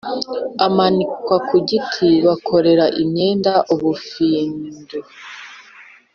Amanikwa kugiti bakorera imyenda ubufindu